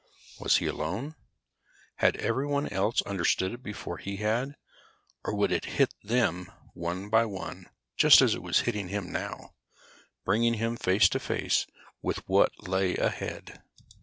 Was he alone? Had everyone else understood it before he had? Or would it hit them, one by one, just as it was hitting him now, bringing him face to face with what lay ahead.